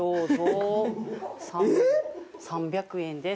А繊３００円です。